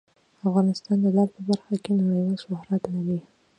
افغانستان د لعل په برخه کې نړیوال شهرت لري.